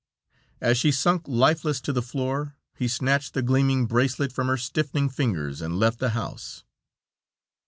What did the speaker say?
As she sunk lifeless to the floor, he snatched the gleaming bracelet from her stiffening fingers and left the house.